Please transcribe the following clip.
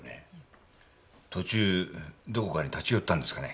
途中どこかに立ち寄ったんですかね？